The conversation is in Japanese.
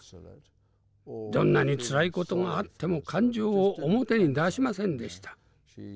どんなにつらいことがあっても感情を表に出しませんでした。